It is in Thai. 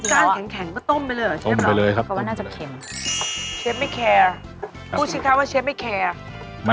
ไอ้กานแข็งเอาต้มไปเลยเหรอเชฟเขาว่าน่าจะเข็ม